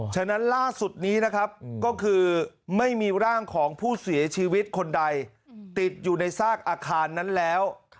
ฉะนั้นล่าสุดนี้นะครับก็คือไม่มีร่างของผู้เสียชีวิตคนใดติดอยู่ในซากอาคารนั้นแล้ว